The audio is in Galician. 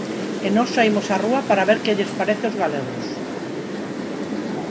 E nós saímos á rúa para ver que lles parece aos galegos.